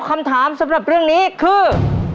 คำถามสำหรับเรื่องนี้คือ